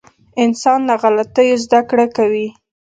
• انسان له غلطیو زده کړه کوي.